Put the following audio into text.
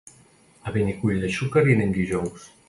A Benicull de Xúquer hi anem dijous.